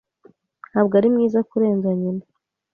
Ntabwo ari mwiza kurenza nyina.